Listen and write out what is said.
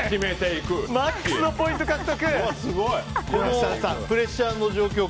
マックスのポイント獲得！